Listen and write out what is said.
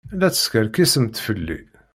La teskerkisemt fell-i.